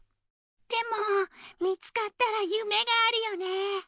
でも見つかったらゆめがあるよね。